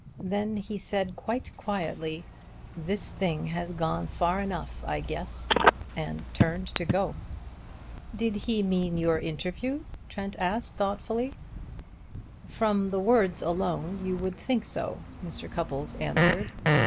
Then he said quite quietly: 'This thing has gone far enough, I guess,' and turned to go." "Did he mean your interview?" Trent asked thoughtfully. "From the words alone you would think so," Mr. Cupples answered.